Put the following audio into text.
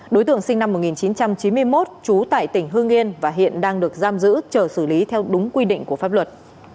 đối tượng sinh năm một nghìn chín trăm chín mươi một trú tại tỉnh hương yên và hiện đang được giam giữ chờ xử lý theo đúng quy định của pháp luật